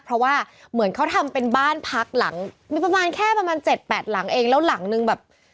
เพราะว่าเหมือนเขาทำเป็นบ้านพักหลังมีประมาณแค่ประมาณเจ็ดแปดหลังเองแล้วหลังนึงแบบ